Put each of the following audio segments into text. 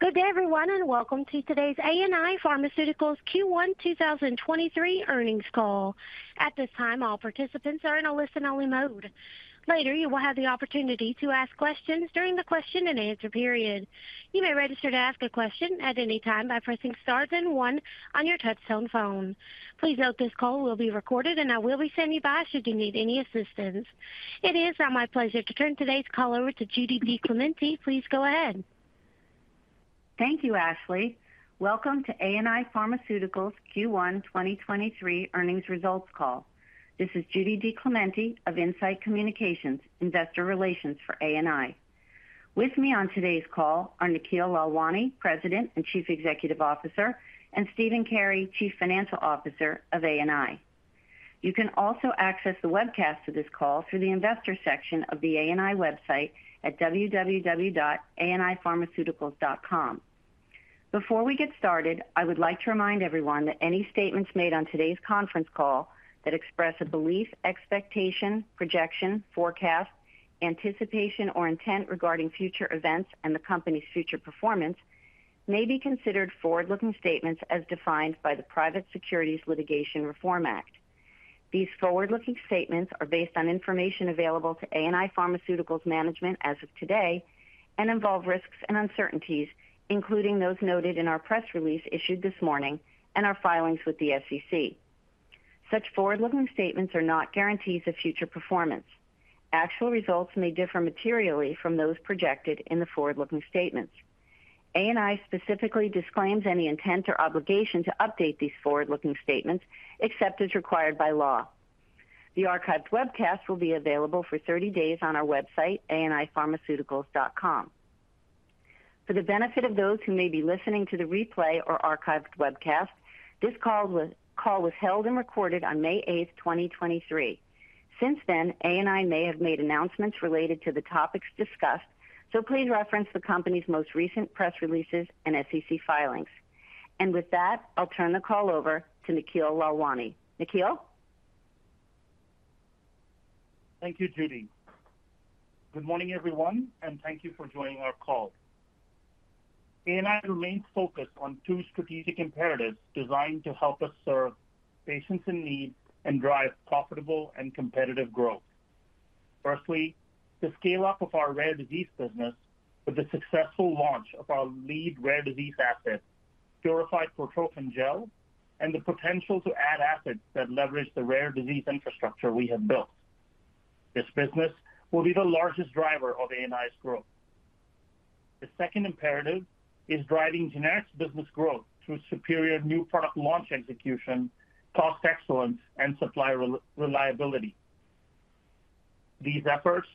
Good day everyone, and welcome to today's ANI Pharmaceuticals Q1 2023 Earnings Call. At this time, all participants are in a listen-only mode. Later, you will have the opportunity to ask questions during the question and answer period. You may register to ask a question at any time by pressing star then one on your touch-tone phone. Please note this call will be recorded and I will be standing by should you need any assistance. It is now my pleasure to turn today's call over to Judy DiClemente. Please go ahead. Thank you, Ashley. Welcome to ANI Pharmaceuticals Q1 2023 Earnings Results Call. This is Judy DiClemente of In-Site Communications, investor relations for ANI. With me on today's call are Nikhil Lalwani, President and Chief Executive Officer, and Stephen Carey, Chief Financial Officer of ANI. You can also access the webcast of this call through the investor section of the ANI website at www.anipharmaceuticals.com. Before we get started, I would like to remind everyone that any statements made on today's conference call that express a belief, expectation, projection, forecast, anticipation, or intent regarding future events and the company's future performance may be considered forward-looking statements as defined by the Private Securities Litigation Reform Act. These forward-looking statements are based on information available to ANI Pharmaceuticals management as of today and involve risks and uncertainties, including those noted in our press release issued this morning and our filings with the SEC. Such forward-looking statements are not guarantees of future performance. Actual results may differ materially from those projected in the forward-looking statements. ANI specifically disclaims any intent or obligation to update these forward-looking statements except as required by law. The archived webcast will be available for 30 days on our website, anipharmaceuticals.com. For the benefit of those who may be listening to the replay or archived webcast, this call was held and recorded on May 8, 2023. Since then, ANI may have made announcements related to the topics discussed, so please reference the company's most recent press releases and SEC filings. With that, I'll turn the call over to Nikhil Lalwani. Nikhil? Thank you, Judy. Good morning, everyone, and thank you for joining our call. ANI remains focused on two strategic imperatives designed to help us serve patients in need and drive profitable and competitive growth. Firstly, the scale-up of our rare disease business with the successful launch of our lead rare disease asset, purified Cortrophin Gel, and the potential to add assets that leverage the rare disease infrastructure we have built. This business will be the largest driver of ANI's growth. The second imperative is driving generics business growth through superior new product launch execution, cost excellence, and supply re-reliability. These efforts,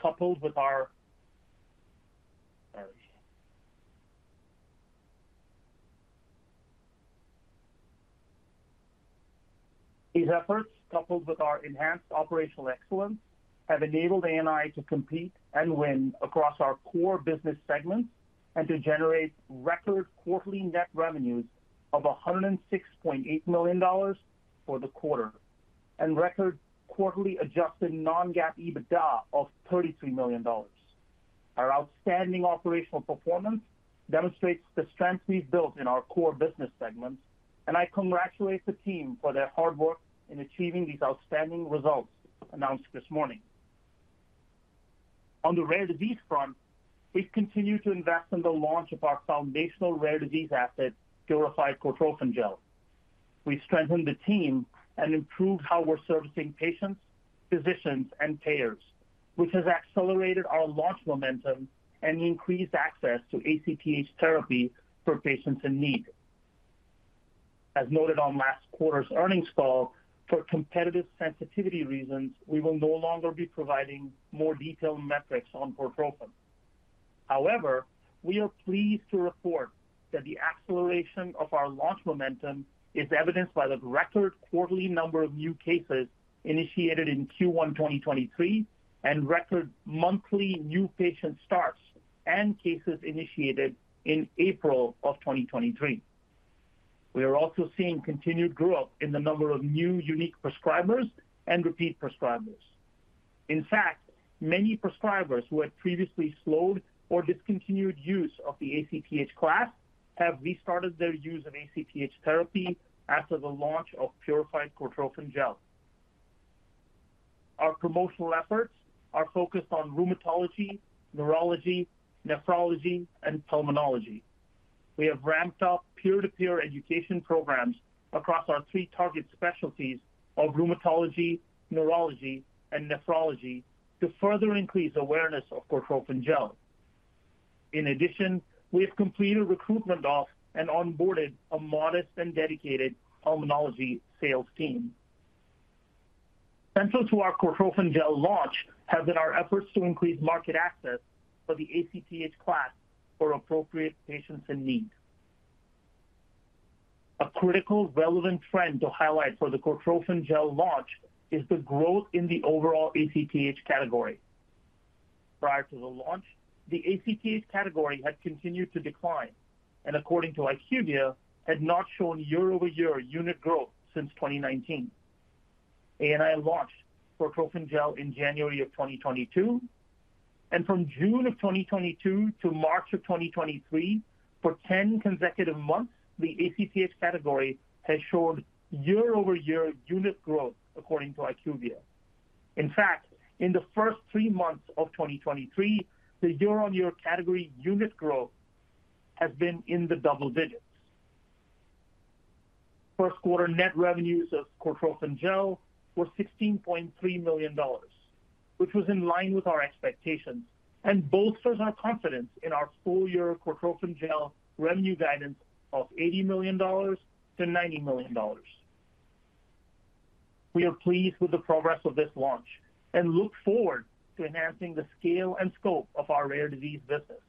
coupled with our... These efforts, coupled with our enhanced operational excellence, have enabled ANI to compete and win across our core business segments and to generate record quarterly net revenues of $106.8 million for the quarter and record quarterly Adjusted non-GAAP EBITDA of $33 million. Our outstanding operational performance demonstrates the strength we've built in our core business segments. I congratulate the team for their hard work in achieving these outstanding results announced this morning. On the rare disease front, we've continued to invest in the launch of our foundational rare disease asset, purified Cortrophin Gel. We've strengthened the team and improved how we're servicing patients, physicians, and payers, which has accelerated our launch momentum and increased access to ACTH therapy for patients in need. As noted on last quarter's earnings call, for competitive sensitivity reasons, we will no longer be providing more detailed metrics on Cortrophin. We are pleased to report that the acceleration of our launch momentum is evidenced by the record quarterly number of new cases initiated in Q1 2023 and record monthly new patient starts and cases initiated in April of 2023. We are also seeing continued growth in the number of new unique prescribers and repeat prescribers. Many prescribers who had previously slowed or discontinued use of the ACTH class have restarted their use of ACTH therapy after the launch of purified Cortrophin Gel. Our promotional efforts are focused on rheumatology, neurology, nephrology, and pulmonology. We have ramped up peer-to-peer education programs across our three target specialties of rheumatology, neurology, and nephrology to further increase awareness of Cortrophin Gel. In addition, we have completed recruitment of and onboarded a modest and dedicated pulmonology sales team. Central to our Cortrophin Gel launch has been our efforts to increase market access for the ACTH class for appropriate patients in need. A critical relevant trend to highlight for the Cortrophin Gel launch is the growth in the overall ACTH category. Prior to the launch, the ACTH category had continued to decline, and according to IQVIA, had not shown year-over-year unit growth since 2019. ANI launched Cortrophin Gel in January of 2022. From June of 2022 to March of 2023, for 10 consecutive months, the ACTH category has showed year-over-year unit growth according to IQVIA. In fact, in the first three months of 2023, the year-on-year category unit growth has been in the double digits. Q1 net revenues of Cortrophin Gel were $16.3 million, which was in line with our expectations and bolsters our confidence in our full year Cortrophin Gel revenue guidance of $80-90 million. We are pleased with the progress of this launch and look forward to enhancing the scale and scope of our rare disease business.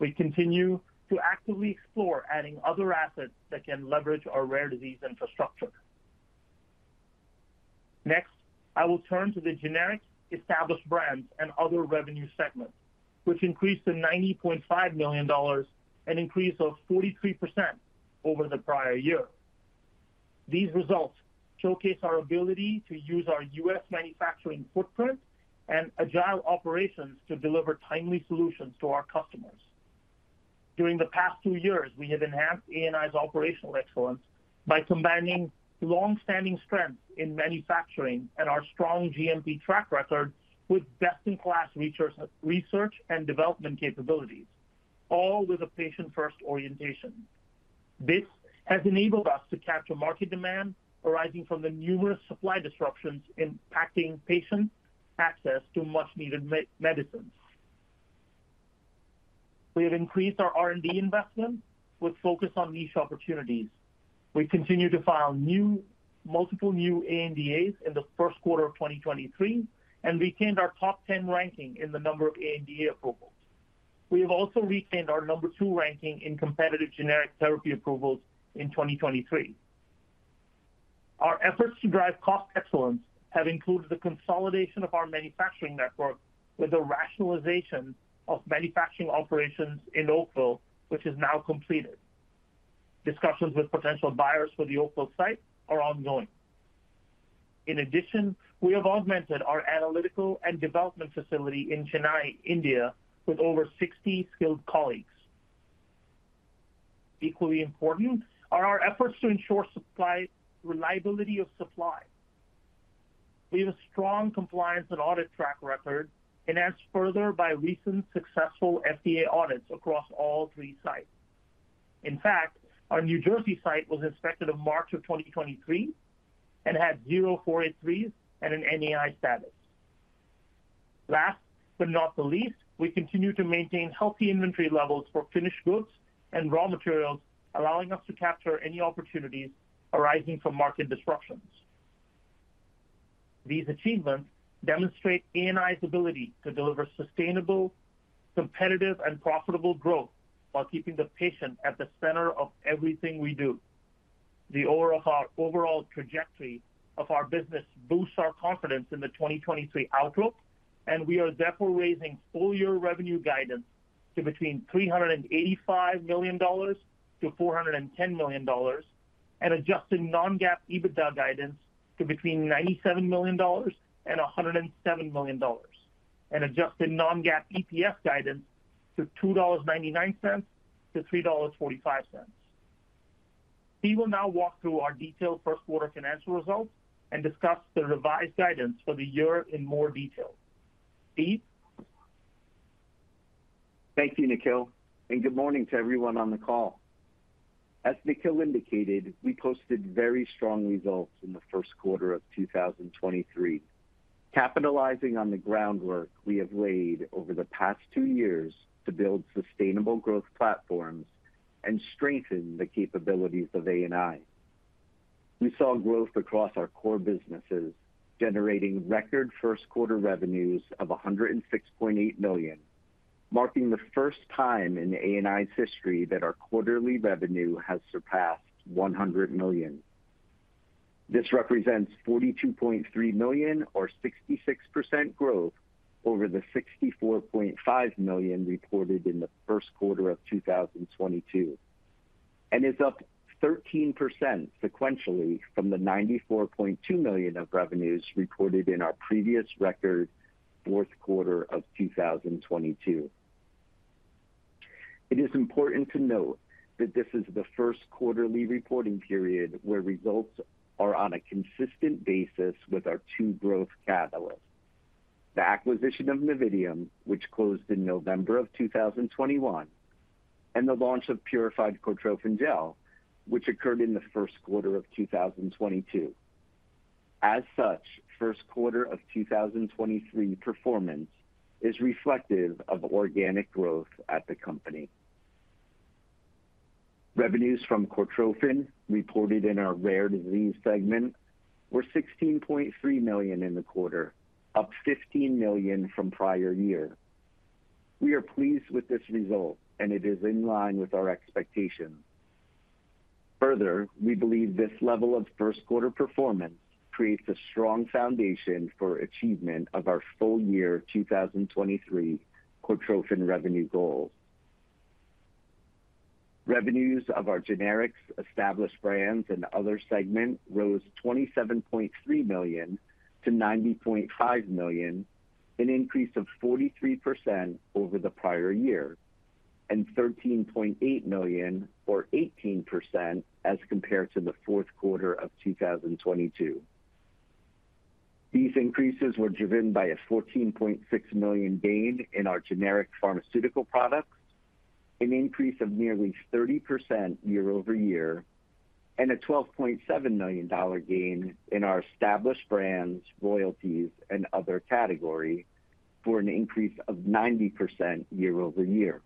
We continue to actively explore adding other assets that can leverage our rare disease infrastructure. Next, I will turn to the generic established brands and other revenue segments, which increased to $90.5 million, an increase of 43% over the prior year. These results showcase our ability to use our U.S. manufacturing footprint and agile operations to deliver timely solutions to our customers. During the past two years, we have enhanced ANI's operational excellence by combining long-standing strength in manufacturing and our strong GMP track record with best-in-class research and development capabilities, all with a patient-first orientation. This has enabled us to capture market demand arising from the numerous supply disruptions impacting patient access to much needed medicines. We have increased our R&D investment with focus on niche opportunities. We continue to file multiple new ANDAs in Q1 of 2023 and retained our top ten ranking in the number of ANDA approvals. We have also retained our number two ranking in competitive generic therapy approvals in 2023. Our efforts to drive cost excellence have included the consolidation of our manufacturing network with the rationalization of manufacturing operations in Oakville, which is now completed. Discussions with potential buyers for the Oakville site are ongoing. In addition, we have augmented our analytical and development facility in Chennai, India, with over 60 skilled colleagues. Equally important are our efforts to ensure reliability of supply. We have a strong compliance and audit track record enhanced further by recent successful FDA audits across all three sites. Our New Jersey site was inspected in March of 2023 and had zero 483s and an NAI status. Last but not the least, we continue to maintain healthy inventory levels for finished goods and raw materials, allowing us to capture any opportunities arising from market disruptions. These achievements demonstrate ANI's ability to deliver sustainable, competitive, and profitable growth while keeping the patient at the center of everything we do. The overall trajectory of our business boosts our confidence in the 2023 outlook. We are therefore raising full year revenue guidance to $385-410 million and Adjusted non-GAAP EBITDA guidance to between $97 and 107 million, and Adjusted non-GAAP EPS guidance to $2.99-3.45. Steve will now walk through our detailed Q1 financial results and discuss the revised guidance for the year in more detail. Steve? Thank you, Nikhil. Good morning to everyone on the call. As Nikhil indicated, we posted very strong results in Q1 of 2023, capitalizing on the groundwork we have laid over the past two years to build sustainable growth platforms and strengthen the capabilities of ANI. We saw growth across our core businesses, generating record Q1 revenues of $106.8 million, marking the first time in ANI's history that our quarterly revenue has surpassed $100 million. This represents $42.3 million or 66% growth over the $64.5 million reported in Q1 of 2022, and is up 13% sequentially from the $94.2 million of revenues reported in our previous record Q4 of 2022. It is important to note that this is first quarterly reporting period where results are on a consistent basis with our two growth catalysts. The acquisition of Novitium, which closed in November 2021, and the launch of purified Cortrophin Gel, which occurred in Q1 of 2022. As such, Q1 of 2023 performance is reflective of organic growth at the company. Revenues from Cortrophin reported in our rare disease segment were $16.3 million in the quarter, up 15 million from prior year. We are pleased with this result, and it is in line with our expectations. Further, we believe this level of Q1 performance creates a strong foundation for achievement of our full year 2023 Cortrophin revenue goals. Revenues of our generics, established brands, and other segment rose $27.3 to 90.5 million, an increase of 43% over the prior year, and $13.8 million or 18% as compared to the Q4 of 2022. These increases were driven by a $14.6 million gain in our generic pharmaceutical products, an increase of nearly 30% year-over-year, and a $12.7 million gain in our established brands, royalties, and other category for an increase of 90% year-over-year.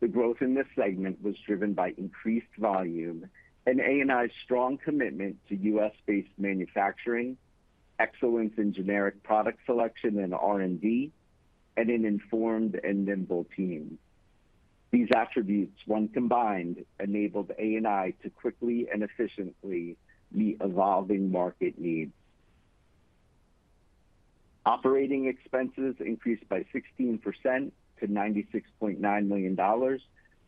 The growth in this segment was driven by increased volume and ANI's strong commitment to U.S.-based manufacturing, excellence in generic product selection and R&D, and an informed and nimble team. These attributes, when combined, enabled ANI to quickly and efficiently meet evolving market needs. Operating expenses increased by 16% to $96.9 million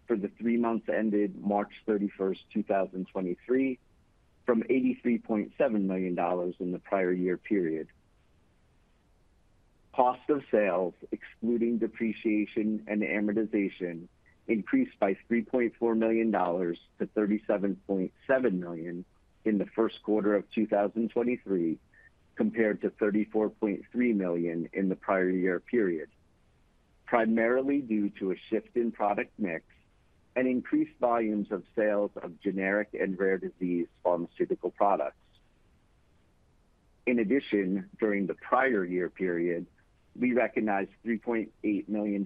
for the three months ended March 31, 2023, from $83.7 million in the prior year period. Cost of sales, excluding depreciation and amortization, increased by $3.4 to 37.7 million in Q1 of 2023 compared to 34.3 million in the prior year period. Primarily due to a shift in product mix and increased volumes of sales of generic and rare disease pharmaceutical products. During the prior year period, we recognized $3.8 million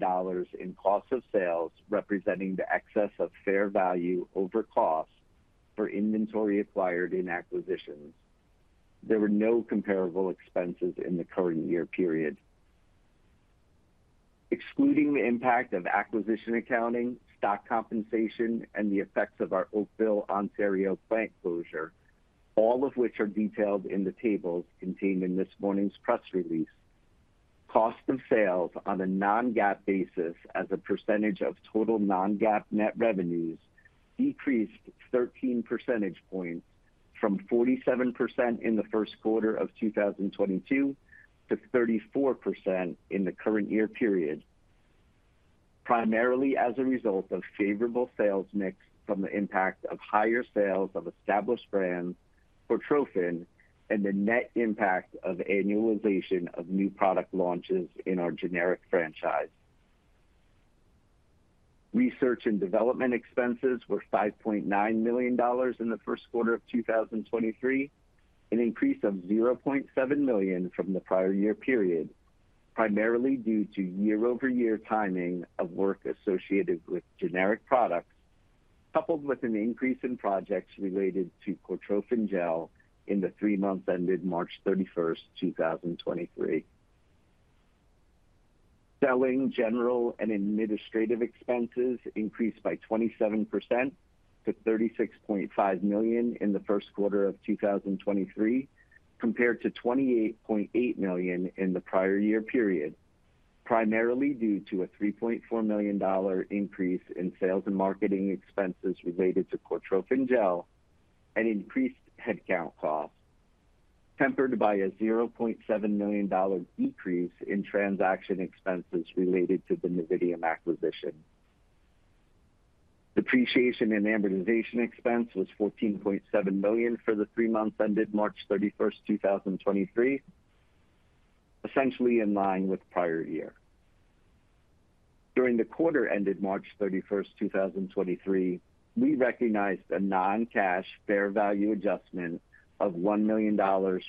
in cost of sales representing the excess of fair value over cost for inventory acquired in acquisitions. There were no comparable expenses in the current year period. Excluding the impact of acquisition accounting, stock compensation, and the effects of our Oakville, Ontario plant closure, all of which are detailed in the tables contained in this morning's press release. Cost of sales on a non-GAAP basis as a percentage of total non-GAAP net revenues decreased 13 percentage points from 47% in Q1 of 2022 to 34% in the current year period. Primarily as a result of favorable sales mix from the impact of higher sales of established brands, Cortrophin, and the net impact of annualization of new product launches in our generic franchise. Research and development expenses were $5.9 million in Q1 of 2023, an increase of 0.7 million from the prior year period. Primarily due to year-over-year timing of work associated with generic products, coupled with an increase in projects related to Cortrophin Gel in the three months ended March 31, 2023. Selling, general, and administrative expenses increased by 27% to $36.5 in Q1 of 2023 compared to 28.8 million in the prior year period. Primarily due to a $3.4 million increase in sales and marketing expenses related to Cortrophin Gel and increased headcount costs, tempered by a $0.7 million decrease in transaction expenses related to the Novitium acquisition. Depreciation and amortization expense was $14.7 million for the three months ended March 31, 2023, essentially in line with prior year. During the quarter ended March 31, 2023, we recognized a non-cash fair value adjustment of $1 million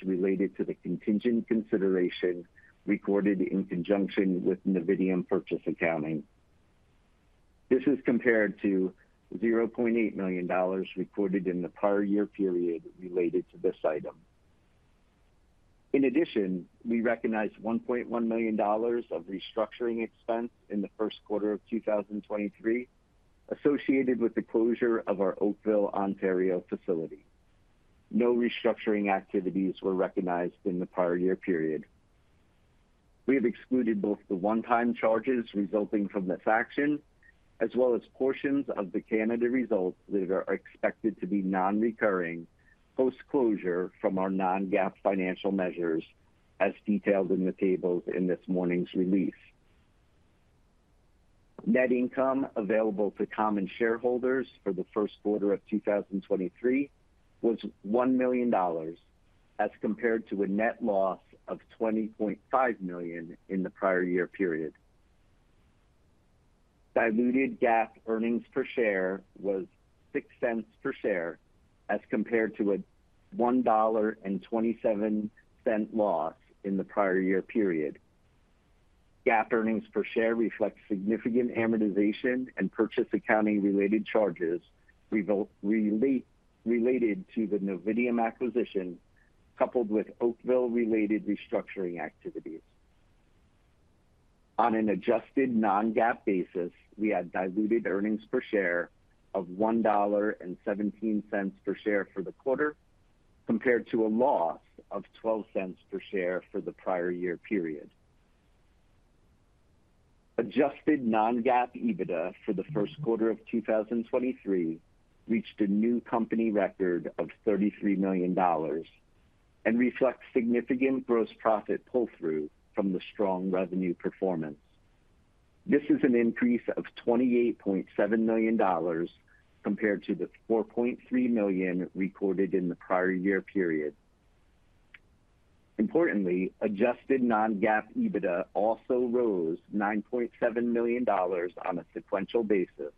related to the contingent consideration recorded in conjunction with Novitium purchase accounting. This is compared to $0.8 million recorded in the prior year period related to this item. In addition, we recognized $1.1 million of restructuring expense in Q1 of 2023 associated with the closure of our Oakville, Ontario facility. No restructuring activities were recognized in the prior year period. We have excluded both the transaction, as well as portions of the Canada results that are expected to be non-recurring post-closure from our non-GAAP financial measures, as detailed in the tables in this morning's release. Net income available to common shareholders for Q1 of 2023 was $1 as compared to a net loss of 20.5 million in the prior year period. Diluted GAAP earnings per share was $0.06 per share as compared to a 1.27 loss in the prior year period. GAAP earnings per share reflects significant amortization and purchase accounting-related charges related to the Novitium Pharma acquisition, coupled with Oakville-related restructuring activities. On an Adjusted non-GAAP basis, we had diluted earnings per share of $1.17 per share for the quarter, compared to a loss of 0.12 per share for the prior year period. Adjusted non-GAAP EBITDA for Q1 of 2023 reached a new company record of $33 million and reflects significant gross profit pull-through from the strong revenue performance. This is an increase of $28.7 compared to the 4.3 million recorded in the prior year period. Importantly, adjusted non-GAAP EBITDA also rose $9.7 million on a sequential basis,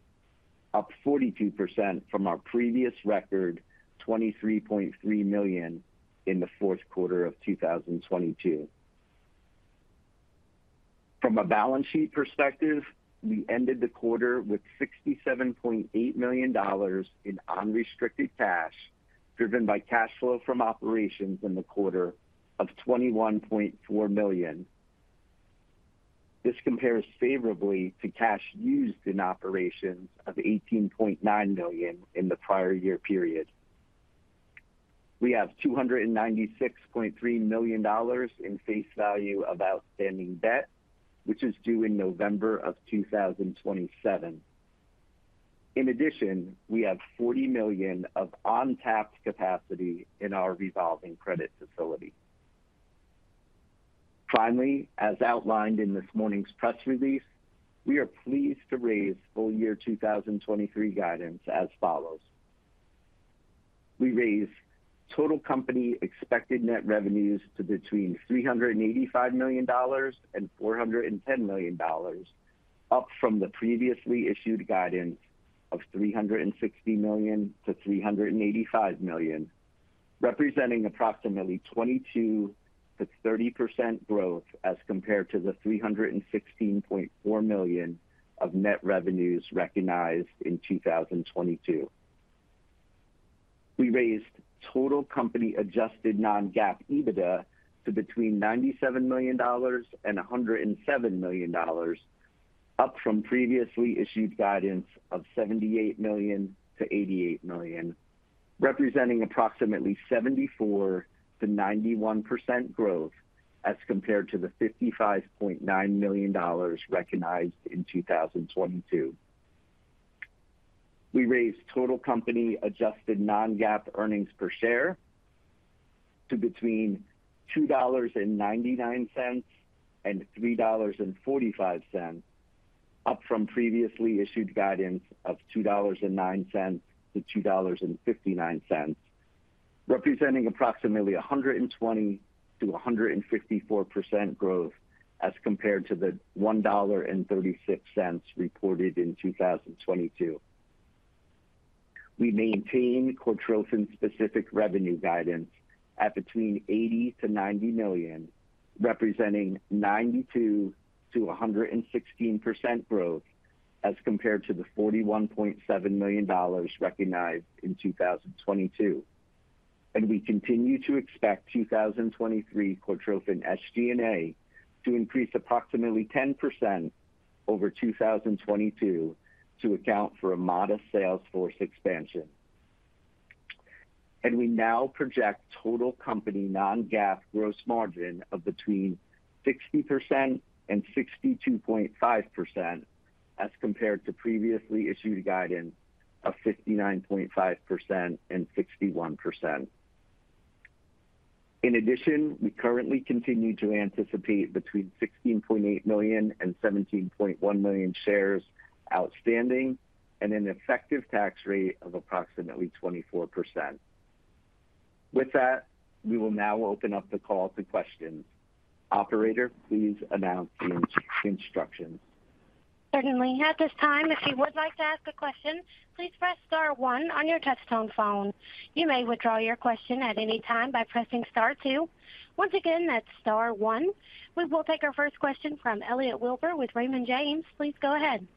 up 42% from our previous record, $23.3 million in Q4 of 2022. From a balance sheet perspective, we ended the quarter with $67.8 million in unrestricted cash, driven by cash flow from operations in the quarter of $21.4 million. This compares favorably to cash used in operations of $18.9 million in the prior year period. We have $296.3 million in face value of outstanding debt, which is due in November of 2027. In addition, we have $40 million of untapped capacity in our revolving credit facility. Finally, as outlined in this morning's press release, we are pleased to raise full year 2023 guidance as follows. We raise total company expected net revenues to between $385 and $410 million, up from the previously issued guidance of $360 to 385 million, representing approximately 22%-30% growth as compared to the $316.4 million of net revenues recognized in 2022. We raised total company Adjusted non-GAAP EBITDA to between $97 and 107 million, up from previously issued guidance of $78 to 88 million, representing approximately 74%-91% growth as compared to the $55.9 million recognized in 2022. We raised total company adjusted non-GAAP earnings per share to between $2.99 and 3.45, up from previously issued guidance of $2.09 to 2.59, representing approximately 120%-154% growth as compared to the $1.36 reported in 2022. We maintain Cortrophin-specific revenue guidance at between $80-90 million, representing 92%-116% growth as compared to the $41.7 million recognized in 2022. We continue to expect 2023 Cortrophin SG&A to increase approximately 10% over 2022 to account for a modest sales force expansion. We now project total company non-GAAP gross margin of between 60% and 62.5% as compared to previously issued guidance of 59.5% and 61%. In addition, we currently continue to anticipate between 16.8 and 17.1 million shares outstanding and an effective tax rate of approximately 24%. With that, we will now open up the call to questions. Operator, please announce the instructions. Certainly. At this time, if you would like to ask a question, please press star one on your touch tone phone. You may withdraw your question at any time by pressing star two. Once again, that's star one. We will take our first question from Elliot Wilbur with Raymond James. Please go ahead.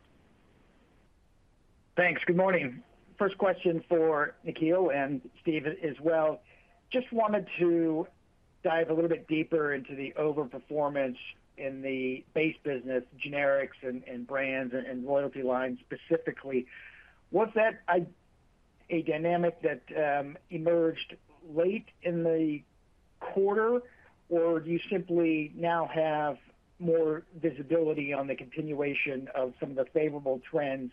Thanks. Good morning. First question for Nikhil and Steve as well. Just wanted to dive a little bit deeper into the overperformance in the base business generics and brands and loyalty lines specifically. Was that a dynamic that emerged late in the quarter, or do you simply now have more visibility on the continuation of some of the favorable trends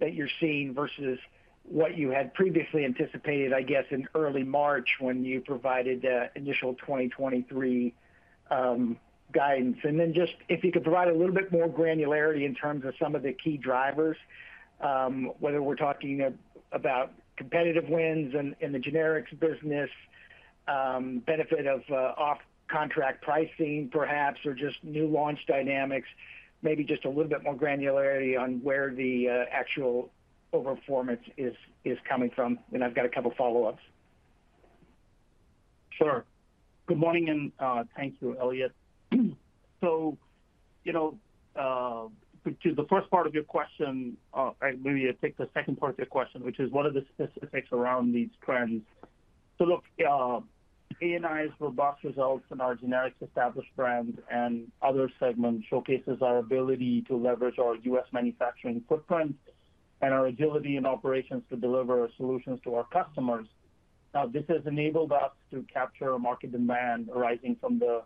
that you're seeing versus what you had previously anticipated, I guess, in early March when you provided the initial 2023 guidance? Then just if you could provide a little bit more granularity in terms of some of the key drivers, whether we're talking about competitive wins in the generics business, benefit of off-contract pricing perhaps, or just new launch dynamics, maybe just a little bit more granularity on where the actual overperformance is coming from. I've got a couple follow-ups. Sure. Good morning, thank you, Elliot. You know, to the first part of your question, maybe I take the second part of your question, which is what are the specifics around these trends? Look, ANI's robust results in our generics established brand and other segments showcases our ability to leverage our U.S. manufacturing footprint and our agility in operations to deliver solutions to our customers. Now, this has enabled us to capture a market demand arising from the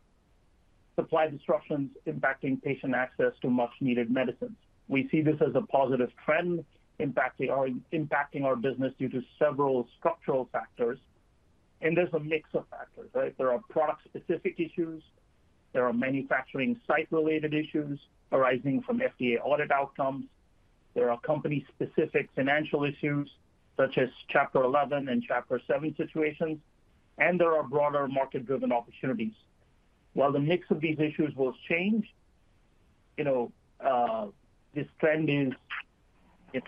supply disruptions impacting patient access to much-needed medicines. We see this as a positive trend impacting our business due to several structural factors, and there's a mix of factors, right? There are product-specific issues, there are manufacturing site-related issues arising from FDA audit outcomes. There are company-specific financial issues such as Chapter Eleven and Chapter Seven situations, and there are broader market-driven opportunities. While the mix of these issues will change, you know, this trend is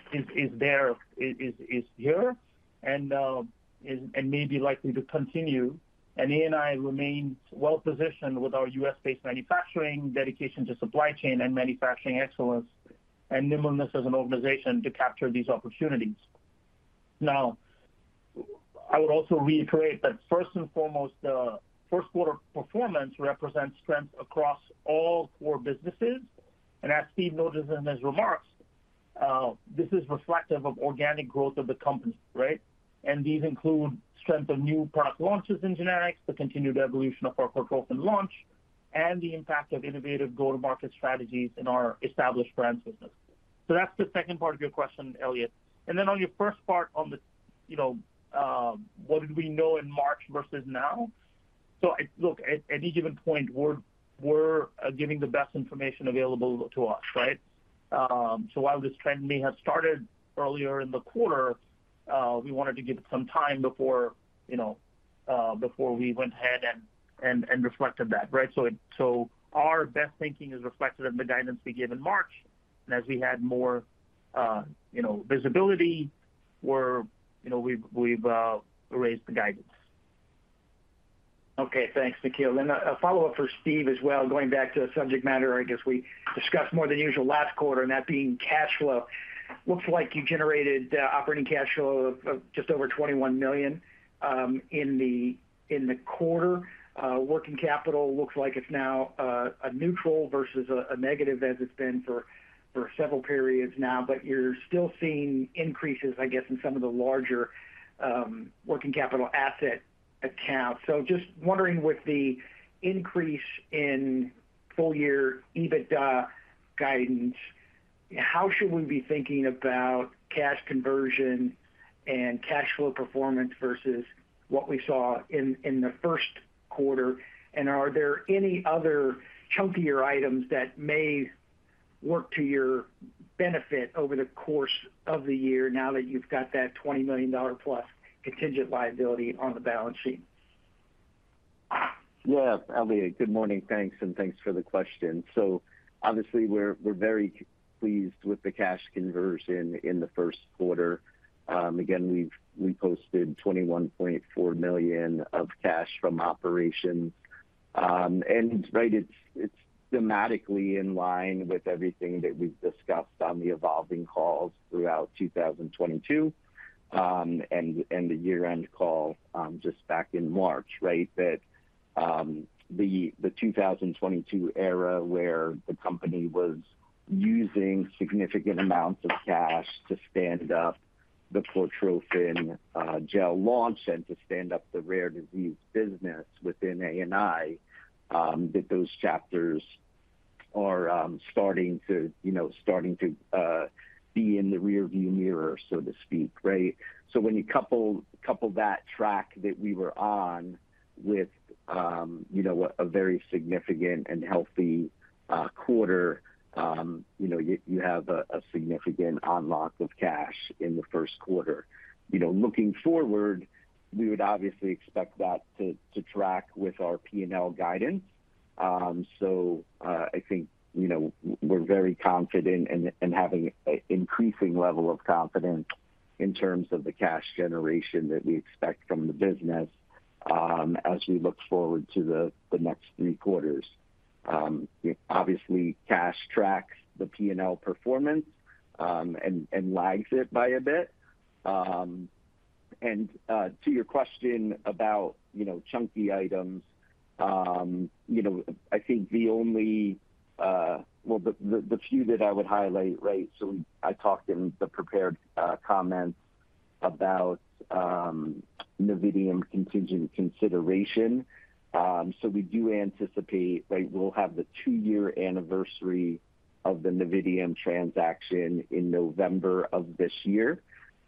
here and may be likely to continue. ANI remains well-positioned with our U.S.-based manufacturing, dedication to supply chain and manufacturing excellence, and nimbleness as an organization to capture these opportunities. I would also reiterate that first and foremost, Q1 performance represents strength across all four businesses. As Steve noted in his remarks, this is reflective of organic growth of the company, right? These include strength of new product launches in generics, the continued evolution of our Cortrophin launch, and the impact of innovative go-to-market strategies in our established brands business. That's the second part of your question, Elliot. On your first part on the, you know, what did we know in March versus now. Look, at any given point, we're giving the best information available to us, right? While this trend may have started earlier in the quarter, we wanted to give it some time before, you know, before we went ahead and reflected that, right? Our best thinking is reflected in the guidance we gave in March. As we had more, you know, visibility, you know, we've raised the guidance. Okay. Thanks, Nikhil. A follow-up for Steve as well, going back to a subject matter I guess we discussed more than usual last quarter, and that being cash flow. Looks like you generated operating cash flow of just over $21 million in the quarter. Working capital looks like it's now a neutral versus a negative as it's been for several periods now. You're still seeing increases, I guess, in some of the larger working capital asset accounts. Just wondering, with the increase in full year EBITDA guidance, how should we be thinking about cash conversion and cash flow performance versus what we saw in Q1? Are there any other chunkier items that may work to your benefit over the course of the year now that you've got that $20 million plus contingent liability on the balance sheet? Yeah. Elliot, good morning. Thanks, and thanks for the question. Obviously we're very pleased with the cash conversion in Q1. Again, we posted $21.4 million of cash from operations. And right, it's thematically in line with everything that we've discussed on the evolving calls throughout 2022, and the year-end call, just back in March, right? That the 2022 era where the company was using significant amounts of cash to stand up the Cortrophin Gel launch and to stand up the rare disease business within ANI, that those chapters are starting to, you know, starting to be in the rear view mirror, so to speak, right? When you couple that track that we were on with, you know, a very significant and healthy quarter, you know, you have a significant unlock of cash in Q1. You know, looking forward, we would obviously expect that to track with our P&L guidance. I think, you know, we're very confident and having a increasing level of confidence in terms of the cash generation that we expect from the business, as we look forward to the next three quarters. Obviously cash tracks the P&L performance, and lags it by a bit. To your question about, you know, chunky items, you know, I think the only, well, the few that I would highlight, right? I talked in the prepared comments about Novitium contingent consideration. We do anticipate, right, we'll have the two-year anniversary of the Novitium transaction in November of this year.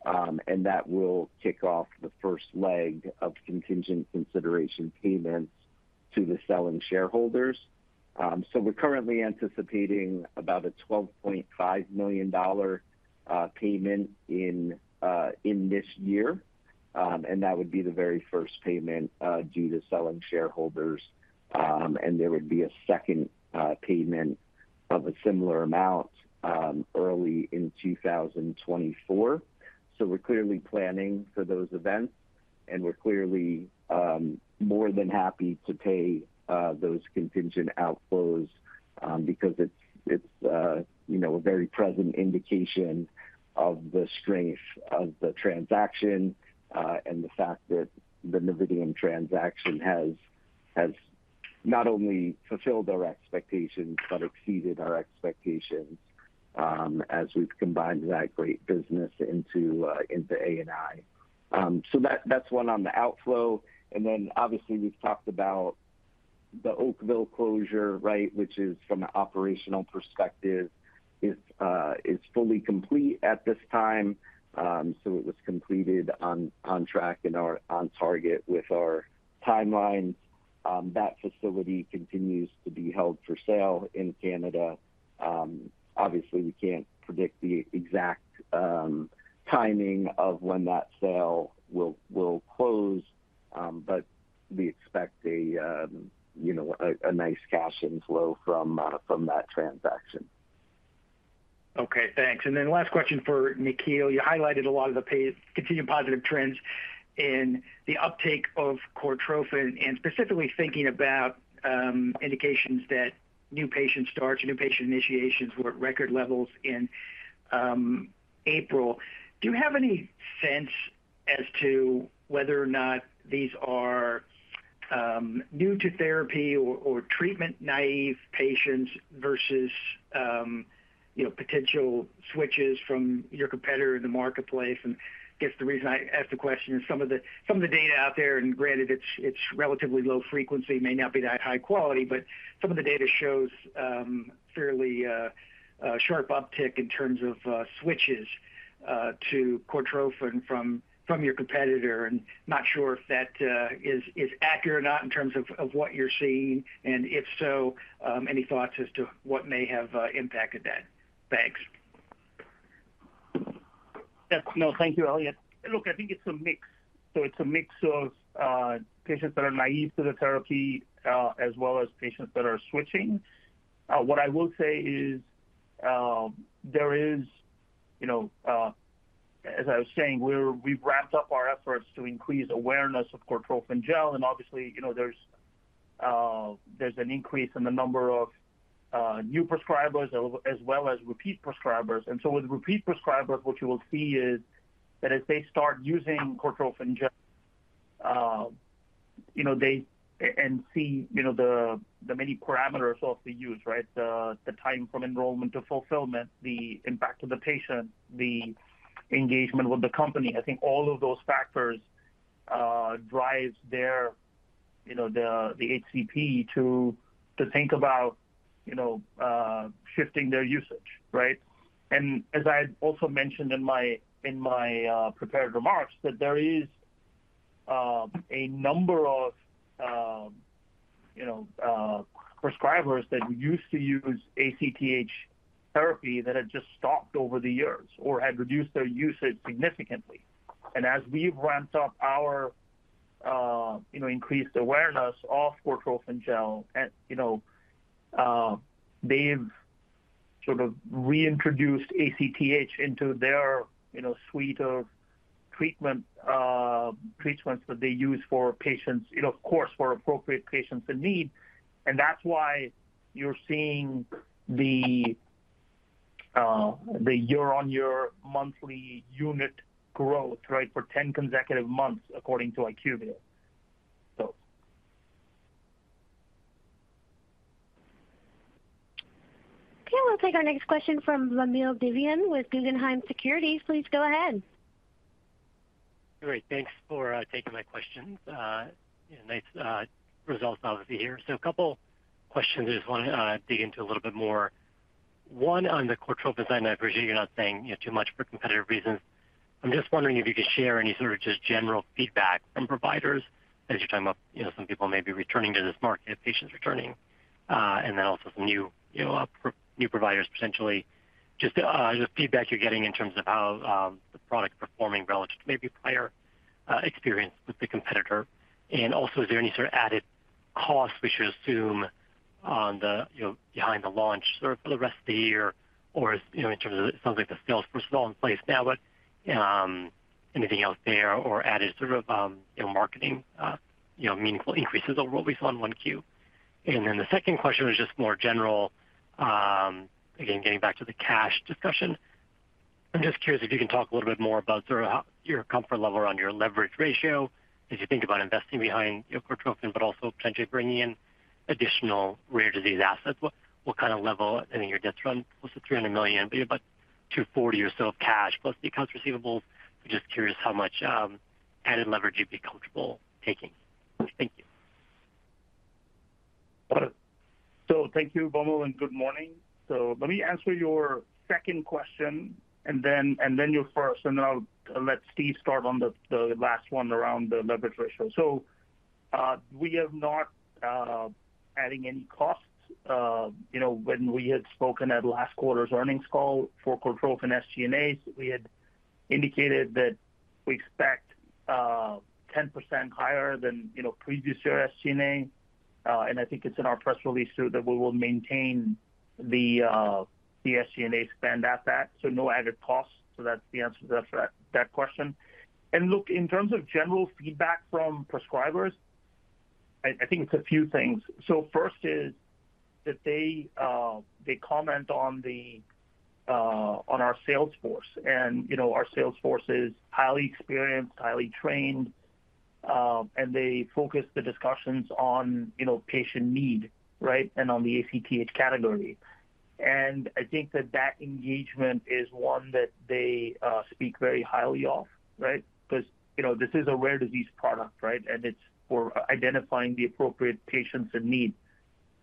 That will kick off the first leg of contingent consideration payments to the selling shareholders. We're currently anticipating about a $12.5 million payment in this year. That would be the very first payment due to selling shareholders. There would be a second payment of a similar amount early in 2024. We're clearly planning for those events, and we're clearly more than happy to pay those contingent outflows because it's, you know, a very present indication of the strength of the transaction, and the fact that the Novitium transaction has. Not only fulfilled our expectations, but exceeded our expectations, as we've combined that great business into ANI. That's one on the outflow. Obviously we've talked about the Oakville closure, right, which is from an operational perspective is fully complete at this time. It was completed on track and on target with our timelines. That facility continues to be held for sale in Canada. Obviously we can't predict the exact timing of when that sale will close. We expect a, you know, a nice cash inflow from that transaction. Okay, thanks. Last question for Nikhil. You highlighted a lot of the continued positive trends in the uptake of Cortrophin and specifically thinking about indications that new patient starts, new patient initiations were at record levels in April. Do you have any sense as to whether or not these are new to therapy or treatment-naive patients versus, you know, potential switches from your competitor in the marketplace? Guess the reason I ask the question is some of the, some of the data out there, and granted it's relatively low frequency, may not be that high quality, but some of the data shows fairly sharp uptick in terms of switches to Cortrophin from your competitor. Not sure if that is accurate or not in terms of what you're seeing, and if so, any thoughts as to what may have impacted that? Thanks. Yes. No, thank you, Elliot. Look, I think it's a mix. It's a mix of patients that are naive to the therapy, as well as patients that are switching. What I will say is, you know, as I was saying, we've ramped up our efforts to increase awareness of Cortrophin Gel, and obviously, you know, there's an increase in the number of new prescribers as well as repeat prescribers. With repeat prescribers, what you will see is that as they start using Cortrophin Gel, you know, they and see, you know, the many parameters of the use, right? The time from enrollment to fulfillment, the impact of the patient, the engagement with the company. I think all of those factors drives their, you know, the HCP to think about, you know, shifting their usage, right? As I had also mentioned in my prepared remarks, that there is a number of, you know, prescribers that used to use ACTH therapy that had just stopped over the years or had reduced their usage significantly. As we've ramped up our increased awareness of Cortrophin Gel and, you know, they've sort of reintroduced ACTH into their, you know, suite of treatment, treatments that they use for patients, you know, of course, for appropriate patients in need. That's why you're seeing the year-on-year monthly unit growth, right, for 10 consecutive months, according to IQVIA. Okay, we'll take our next question from Vamil Divan with Guggenheim Securities. Please go ahead. Great. Thanks for taking my questions. Nice results obviously here. A couple questions I just wanna dig into a little bit more. One, on the Cortrophin, and I appreciate you're not saying, you know, too much for competitive reasons. I'm just wondering if you could share any sort of just general feedback from providers as you're talking about, you know, some people may be returning to this market, patients returning, and then also some new, you know, new providers potentially. Just feedback you're getting in terms of how the product is performing relative to maybe prior experience with the competitor. Also, is there any sort of added costs we should assume on the, you know, behind the launch sort of for the rest of the year? You know, in terms of it sounds like the sales force is all in place now, but anything else there or added sort of, you know, marketing, you know, meaningful increases over what we saw in Q1? The second question was just more general. Again, getting back to the cash discussion. I'm just curious if you can talk a little bit more about sort of how your comfort level around your leverage ratio as you think about investing behind, you know, Cortrophin, but also potentially bringing in additional rare disease assets. What kind of level? I think your debt's around close to $300 million, but you have about $240 or so of cash plus the accounts receivables. I'm just curious how much added leverage you'd be comfortable taking. Thank you. Thank you, Vamil, and good morning. Let me answer your second question and then your first, and then I'll let Steve start on the last one around the leverage ratio. We are not adding any costs. You know, when we had spoken at last quarter's earnings call for Cortrophin SG&As, we had indicated that we expect 10% higher than, you know, previous year SG&A. I think it's in our press release too, that we will maintain the SG&A spend at that, so no added costs. That's the answer to that question. Look, in terms of general feedback from prescribers, I think it's a few things. First is that they comment on the on our sales force. You know, our sales force is highly experienced, highly trained, and they focus the discussions on, you know, patient need, right? On the ACTH category. I think that that engagement is one that they speak very highly of, right? Because, you know, this is a rare disease product, right? It's for identifying the appropriate patients in need.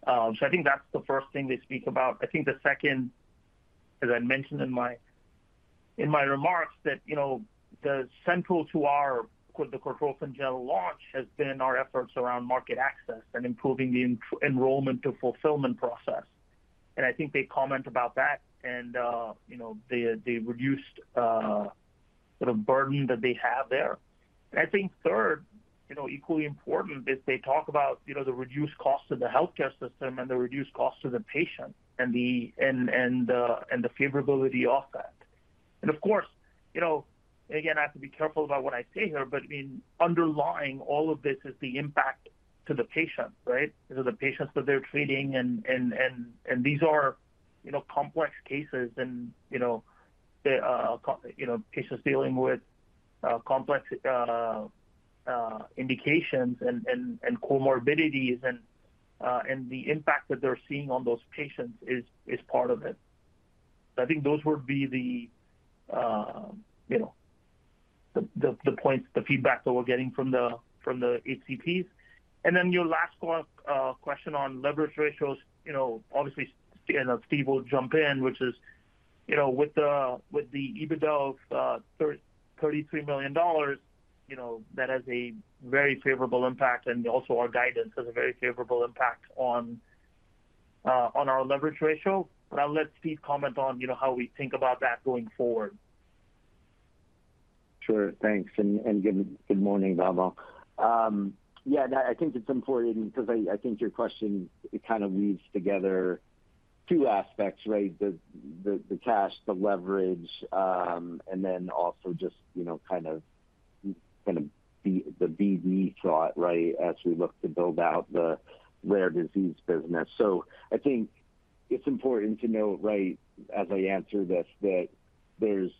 So I think that's the first thing they speak about. I think the second, as I mentioned in my remarks, that, you know, the central to our, quote, "the Cortrophin Gel launch" has been our efforts around market access and improving the enrollment to fulfillment process. I think they comment about that and, you know, the reduced sort of burden that they have there. I think third, you know, equally important is they talk about, you know, the reduced cost to the healthcare system and the reduced cost to the patient and the, and the favorability of that. Of course, you know, again, I have to be careful about what I say here, but I mean, underlying all of this is the impact to the patients, right? These are the patients that they're treating and these are, you know, complex cases and, you know, patients dealing with complex indications and comorbidities and the impact that they're seeing on those patients is part of it. I think those would be the, you know, the points, the feedback that we're getting from the HCPs. Your last one, question on leverage ratios, you know, obviously, you know, Steve will jump in, which is, you know, with the EBITDA of $33 million, you know, that has a very favorable impact, and also our guidance has a very favorable impact on our leverage ratio. I'll let Steve comment on, you know, how we think about that going forward. Sure. Thanks. Good morning, Vamil. Yeah, I think it's important because I think your question, it kind of weaves together two aspects, right? The cash, the leverage, and then also just, you know, kind of the BD thought, right? As we look to build out the rare disease business. I think it's important to note, right, as I answer this, that there's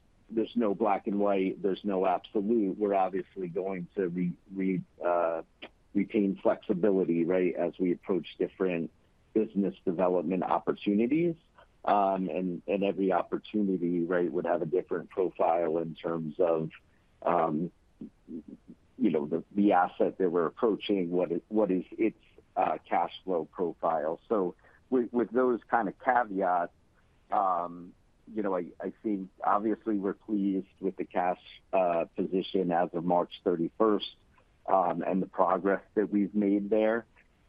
no black and white, there's no absolute. We're obviously going to retain flexibility, right, as we approach different business development opportunities. Every opportunity, right, would have a different profile in terms of, you know, the asset that we're approaching, what is its cash flow profile. With those kind of caveats, you know, I think obviously we're pleased with the cash position as of March 31, and the progress that we've made there.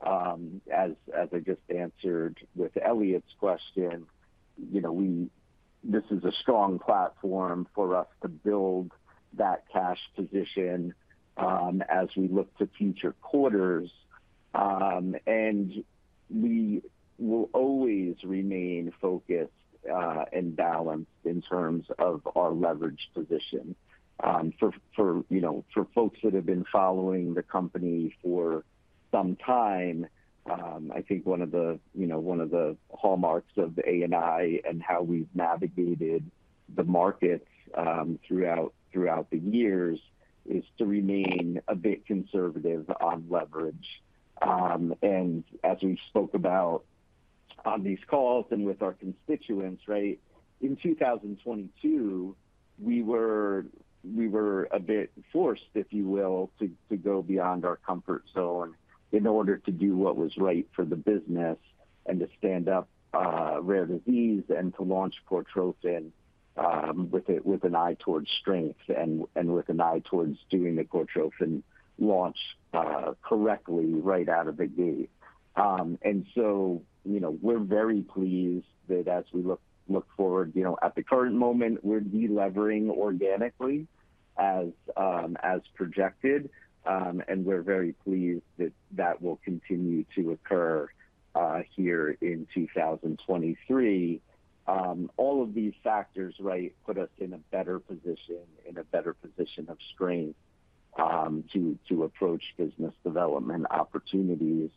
As I just answered with Elliot's question, you know, this is a strong platform for us to build that cash position as we look to future quarters. We will always remain focused and balanced in terms of our leverage position. For, you know, for folks that have been following the company for some time, I think one of the, you know, one of the hallmarks of ANI and how we've navigated the markets throughout the years is to remain a bit conservative on leverage. As we spoke about on these calls and with our constituents, right, in 2022, we were a bit forced, if you will, to go beyond our comfort zone in order to do what was right for the business and to stand up rare disease and to launch Cortrophin with an eye towards strength and with an eye towards doing the Cortrophin launch correctly right out of the gate. You know, we're very pleased that as we look forward, you know, at the current moment, we're delevering organically as projected. We're very pleased that that will continue to occur here in 2023. All of these factors, right, put us in a better position of strength to approach business development opportunities.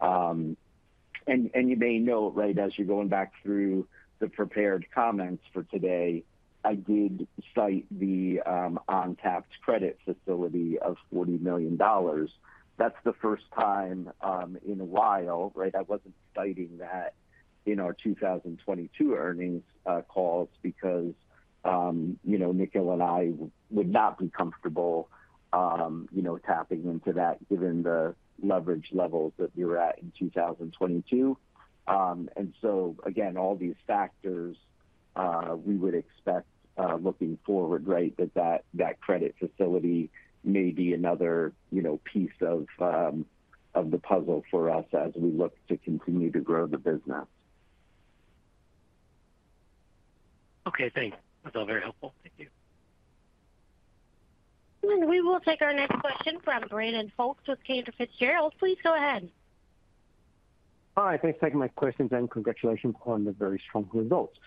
You may note, right, as you're going back through the prepared comments for today, I did cite the untapped credit facility of $40 million. That's the first time in a while, right? I wasn't citing that in our 2022 earnings calls because, you know, Nikhil and I would not be comfortable, you know, tapping into that given the leverage levels that we were at in 2022. Again, all these factors, we would expect, looking forward, right, that, that credit facility may be another, you know, piece of the puzzle for us as we look to continue to grow the business. Okay, thanks. That's all very helpful. Thank you. We will take our next question from Brandon Folkes with Cantor Fitzgerald. Please go ahead. Hi. Thanks for taking my questions, and congratulations on the very strong results.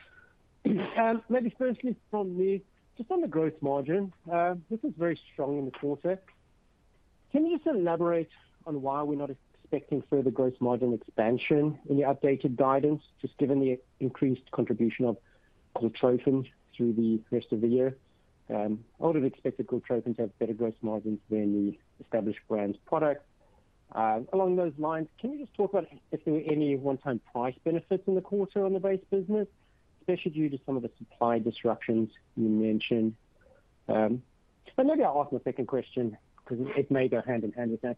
Maybe firstly from me, just on the gross margin, this is very strong in the quarter. Can you just elaborate on why we're not expecting further gross margin expansion in the updated guidance, just given the increased contribution of Cortrophin through the rest of the year? I would have expected Cortrophin to have better gross margins than the established brands product. Along those lines, can you just talk about if there were any one-time price benefits in the quarter on the base business, especially due to some of the supply disruptions you mentioned? Maybe I'll ask my second question because it may go hand in hand with that.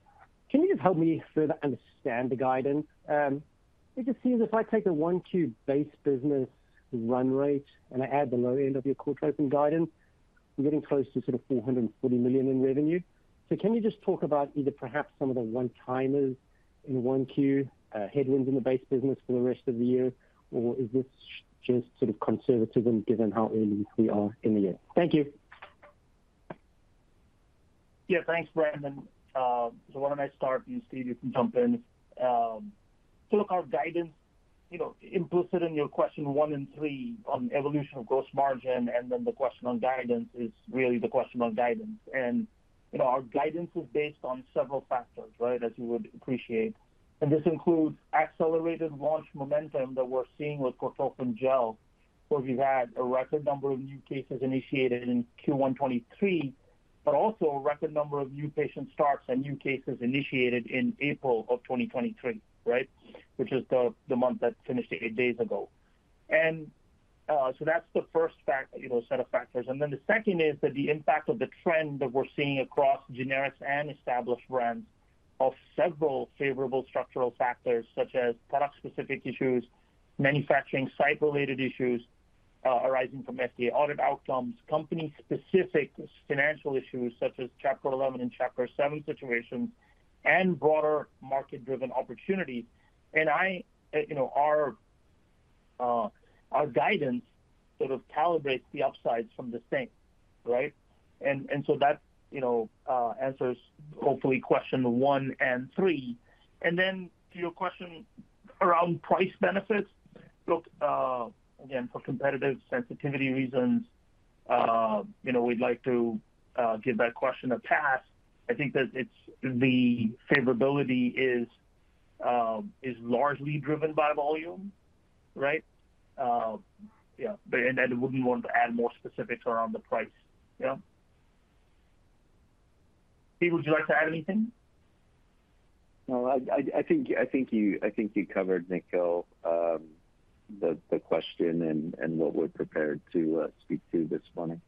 Can you just help me further understand the guidance? It just seems if I take Q1 base business run rate and I add the low end of your Cortrophin guidance, I'm getting close to sort of $440 million in revenue. Can you just talk about either perhaps some of the one-timers in Q1, headwinds in the base business for the rest of the year? Or is this just sort of conservatism given how early we are in the year? Thank you. Yeah, thanks, Brandon. Why don't I start, and Steve, you can jump in. look, our guidance, you know, implicit in your question one and three on evolution of gross margin and then the question on guidance is really the question on guidance. you know, our guidance is based on several factors, right, as you would appreciate. this includes accelerated launch momentum that we're seeing with Cortrophin Gel, where we had a record number of new cases initiated in Q1 2023, but also a record number of new patient starts and new cases initiated in April of 2023, right, which is the month that finished eight days ago. that's the first factor, you know, set of factors. The second is that the impact of the trend that we're seeing across generics and established brands of several favorable structural factors, such as product-specific issues, manufacturing site-related issues, arising from FDA audit outcomes, company-specific financial issues such as Chapter Eleven and Chapter Seven situations, and broader market-driven opportunities. I, you know, our guidance sort of calibrates the upsides from the same, right? So that, you know, answers hopefully question one and three. To your question around price benefits. Look, again, for competitive sensitivity reasons, you know, we'd like to give that question a pass. I think that the favorability is largely driven by volume, right? Yeah, but I wouldn't want to add more specifics around the price. Yeah. Steve, would you like to add anything? No, I think you covered, Nikhil, the question and what we're prepared to speak to this morning.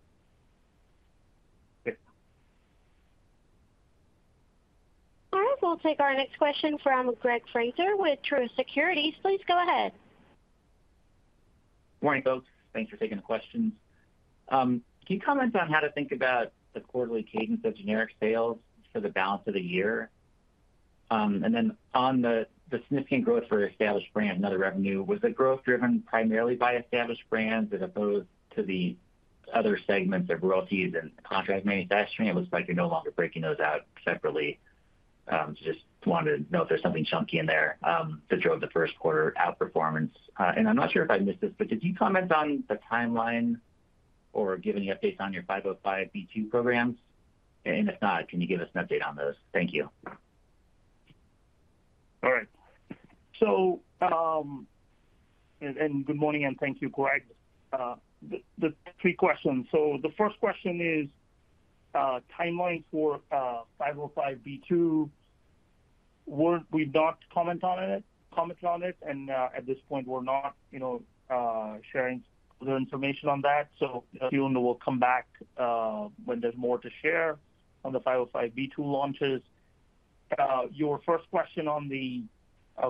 Yeah. All right, we'll take our next question from Greg Fraser with Truist Securities. Please go ahead. Good morning, folks. Thanks for taking the questions. Can you comment on how to think about the quarterly cadence of generic sales for the balance of the year? On the significant growth for established brands, net revenue, was the growth driven primarily by established brands as opposed to the other segments of royalties and contract manufacturing? It looks like you're no longer breaking those out separately. Just wanted to know if there's something chunky in there that drove Q1 outperformance. I'm not sure if I missed this, but did you comment on the timeline or give any updates on your 505(b)(2) programs? If not, can you give us an update on those? Thank you. All right. Good morning and thank you, Greg. The three questions. The first question is timeline for 505(b)(2). We've not commented on it, and at this point we're not, you know, sharing further information on that. We'll come back when there's more to share on the 505(b)(2) launches. Your first question on the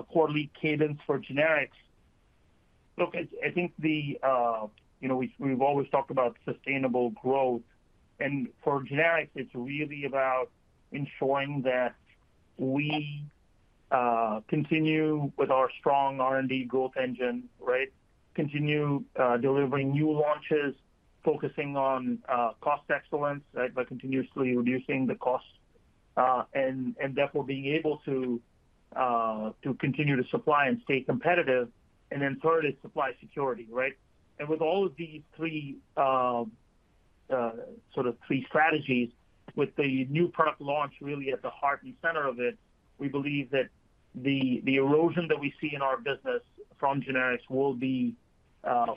quarterly cadence for generics. Look, I think the, you know, we've always talked about sustainable growth, and for generics, it's really about ensuring that we continue with our strong R&D growth engine, right? Continue delivering new launches, focusing on cost excellence, right, by continuously reducing the costs, and therefore being able to continue to supply and stay competitive. Third is supply security, right? With all of these three, sort of three strategies with the new product launch really at the heart and center of it, we believe that the erosion that we see in our business from generics will be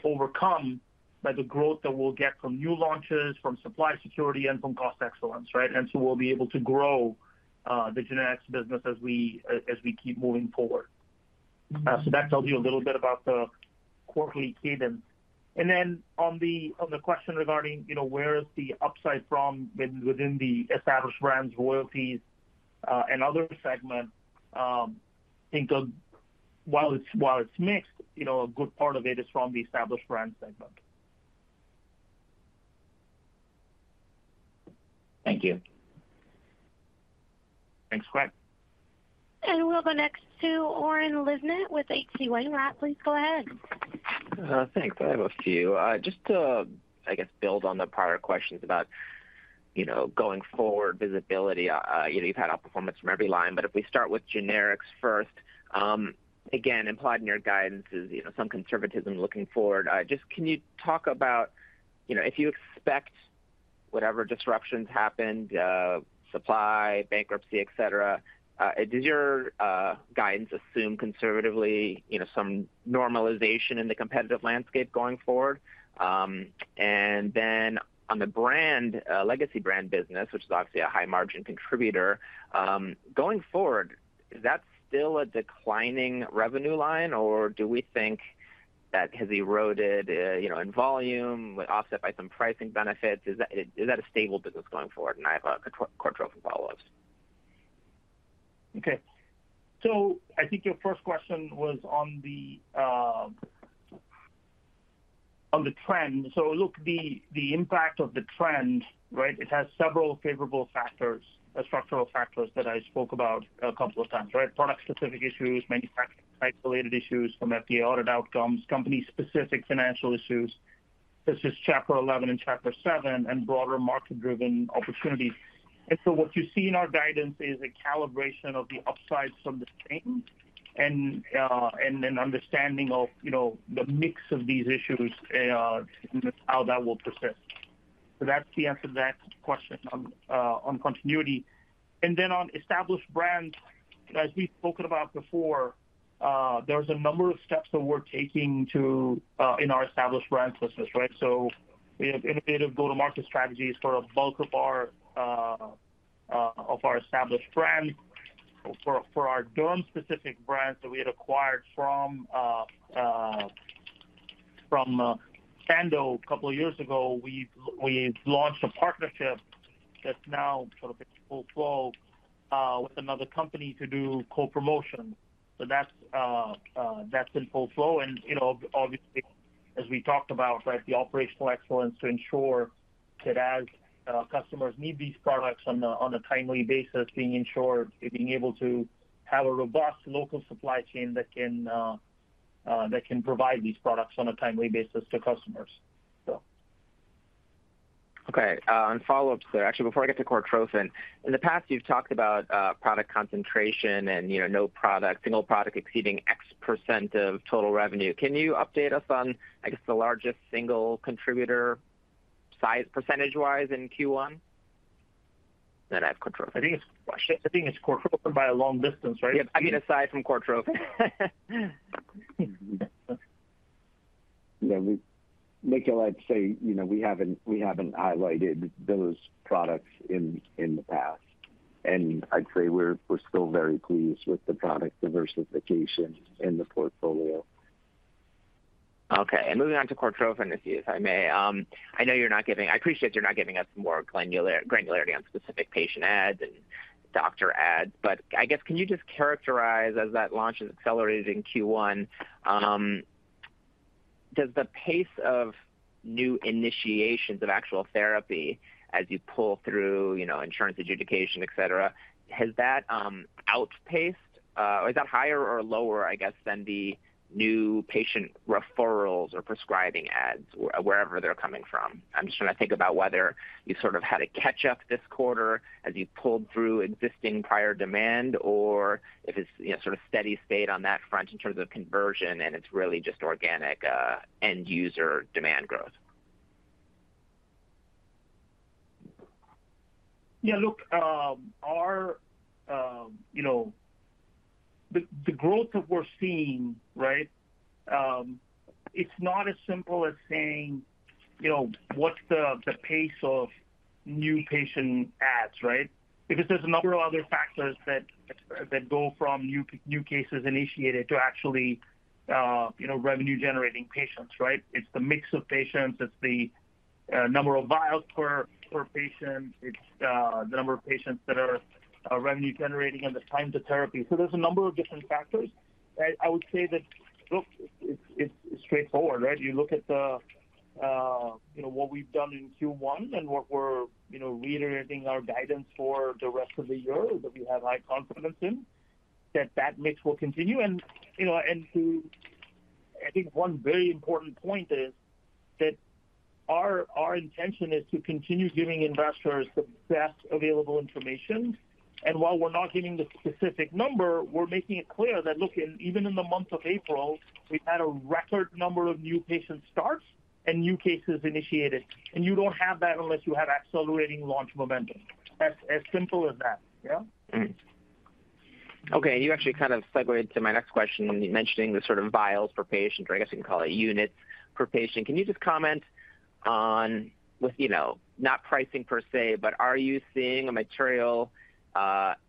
overcome by the growth that we'll get from new launches, from supply security, and from cost excellence, right? We'll be able to grow the generics business as we keep moving forward. That tells you a little bit about the quarterly cadence. On the question regarding, you know, where is the upside from within the established brands, royalties, and other segments, I think while it's, while it's mixed, you know, a good part of it is from the established brand segment. Thank you. Thanks, Greg. We'll go next to Oren Livnat with H.C. Wainwright. Please go ahead. Thanks. I have a few. Just to, I guess, build on the prior questions about, you know, going forward visibility. You know, you've had outperformance from every line, but if we start with generics first, again, implied in your guidance is, you know, some conservatism looking forward. Just can you talk about, you know, if you expect Whatever disruptions happened, supply, bankruptcy, et cetera, does your guidance assume conservatively, you know, some normalization in the competitive landscape going forward? Then on the brand, legacy brand business, which is obviously a high margin contributor, going forward, is that still a declining revenue line, or do we think that has eroded, you know, in volume but offset by some pricing benefits? Is that, is that a stable business going forward? I have, Cortrophin for follow-ups. Okay. I think your first question was on the trend. Look, the impact of the trend, right, it has several favorable factors, structural factors that I spoke about a couple of times, right? Product-specific issues, manufacturing-related issues from FDA audit outcomes, company-specific financial issues such as Chapter Eleven and Chapter Seven, and broader market-driven opportunities. What you see in our guidance is a calibration of the upsides from the trend and an understanding of, you know, the mix of these issues and how that will persist. On established brands, as we've spoken about before, there's a number of steps that we're taking to in our established brands business, right? We have innovative go-to-market strategies for a bulk of our established brands. For our derm-specific brands that we had acquired from Sandoz a couple of years ago, we've launched a partnership that's now sort of in full flow with another company to do co-promotion. That's in full flow. You know, obviously, as we talked about, right, the operational excellence to ensure that as our customers need these products on a timely basis, being able to have a robust local supply chain that can provide these products on a timely basis to customers. Okay. On follow-up, sir, actually before I get to Cortrophin. In the past, you've talked about product concentration and, you know, no single product exceeding X% of total revenue. Can you update us on, I guess, the largest single contributor size percentage-wise in Q1? I have Cortrophin. I think it's Cortrophin by a long distance, right? Yep. I mean, aside from Cortrophin. Yeah. Nikhil, I'd say, you know, we haven't highlighted those products in the past. I'd say we're still very pleased with the product diversification in the portfolio. Okay. Moving on to Cortrophin, if I may. I know I appreciate you're not giving us more granular, granularity on specific patient ads and doctor ads, but I guess can you just characterize as that launch is accelerating Q1, does the pace of new initiations of actual therapy as you pull through, you know, insurance adjudication, et cetera, has that outpaced, or is that higher or lower, I guess, than the new patient referrals or prescribing ads wherever they're coming from? I'm just trying to think about whether you sort of had to catch up this quarter as you pulled through existing prior demand or if it's, you know, sort of steady state on that front in terms of conversion and it's really just organic, end user demand growth. Yeah. Look, our, you know, the growth that we're seeing, right, it's not as simple as saying, you know, what's the pace of new patient adds, right? Because there's a number of other factors that go from new cases initiated to actually, you know, revenue-generating patients, right? It's the mix of patients. It's the number of vials per patient. It's the number of patients that are revenue generating and the time to therapy. There's a number of different factors. I would say that, look, it's straightforward, right? You look at the, you know, what we've done in Q1 and what we're, you know, reiterating our guidance for the rest of the year that we have high confidence in, that that mix will continue. you know, I think one very important point is that our intention is to continue giving investors the best available information. While we're not giving the specific number, we're making it clear that, look, even in the month of April, we've had a record number of new patient starts and new cases initiated. You don't have that unless you have accelerating launch momentum. As simple as that, yeah? Mm-hmm. Okay. You actually kind of segued to my next question when you mentioning the sort of vials for patients, or I guess you can call it units per patient. Can you just comment on with, you know, not pricing per se, but are you seeing a material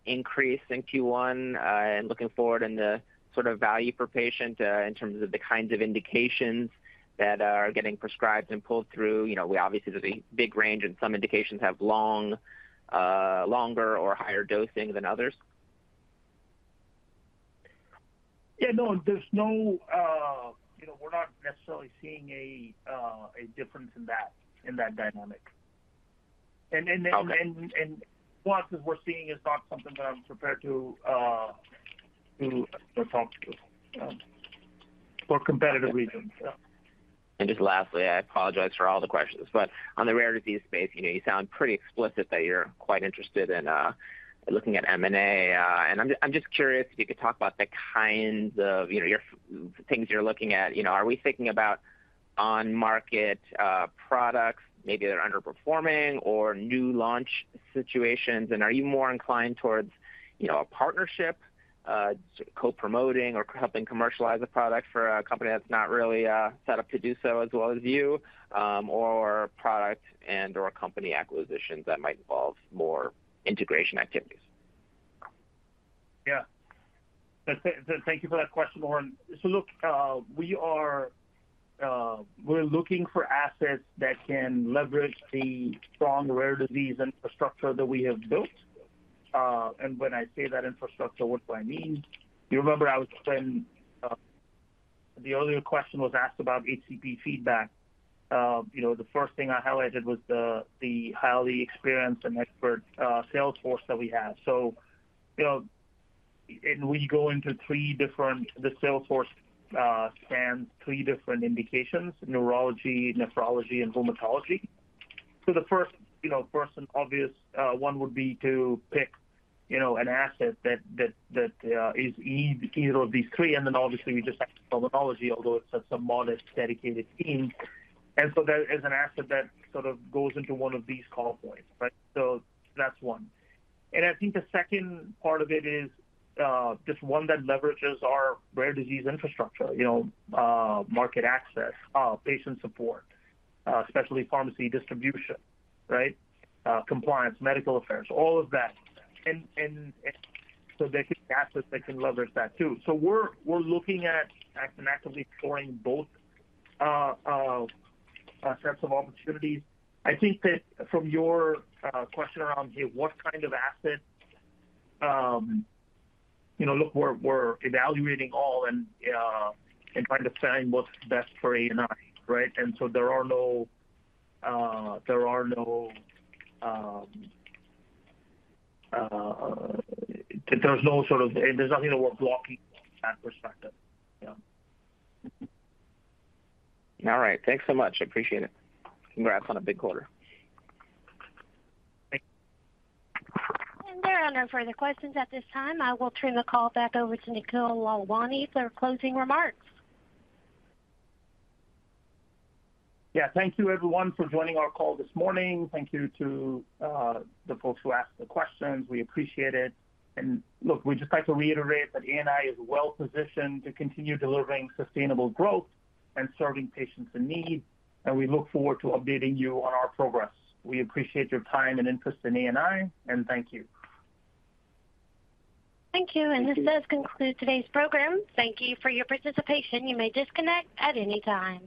increase in Q1 and looking forward in the sort of value per patient in terms of the kinds of indications that are getting prescribed and pulled through? You know, we obviously have a big range and some indications have long longer or higher dosing than others. Yeah, no, there's no, you know, we're not necessarily seeing a difference in that, in that dynamic. Okay. What we're seeing is not something that I'm prepared to talk to, for competitive reasons. Yeah. Just lastly, I apologize for all the questions, but on the rare disease space, you know, you sound pretty explicit that you're quite interested in looking at M&A. I'm just curious if you could talk about the kinds of, you know, things you're looking at. You know, are we thinking about on market products, maybe they're underperforming or new launch situations? Are you more inclined towards, you know, a partnership, co-promoting or helping commercialize a product for a company that's not really set up to do so as well as you, or product and/or company acquisitions that might involve more integration activities? Thank you for that question, Livnat. Look, we are looking for assets that can leverage the strong rare disease infrastructure that we have built. When I say that infrastructure, what do I mean? You remember I was saying, the earlier question was asked about HCP feedback. You know, the first thing I highlighted was the highly experienced and expert sales force that we have. You know, we go into three different. The sales force spans three different indications, neurology, nephrology, and rheumatology. The first, you know, first and obvious one would be to pick, you know, an asset that is either of these three. Obviously we just added dermatology, although it's a modest dedicated team. That is an asset that sort of goes into one of these call points, right? That's one. I think the second part of it is just one that leverages our rare disease infrastructure, you know, market access, patient support, specialty pharmacy distribution, right? Compliance, medical affairs, all of that. So assets that can leverage that too. We're, we're looking at and actively exploring both sets of opportunities. From your question around, you know, what kind of assets. Look, we're evaluating all and trying to find what's best for ANI, right? There are no, there are no, there's no sort of nothing that we're blocking from that perspective. Yeah. All right. Thanks so much. I appreciate it. Congrats on a big quarter. Thank you. There are no further questions at this time. I will turn the call back over to Nikhil Lalwani for closing remarks. Thank you everyone for joining our call this morning. Thank you to the folks who asked the questions. We appreciate it. Look, we'd just like to reiterate that ANI is well-positioned to continue delivering sustainable growth and serving patients in need, and we look forward to updating you on our progress. We appreciate your time and interest in ANI, and thank you. Thank you. Thank you. This does conclude today's program. Thank you for your participation. You may disconnect at any time.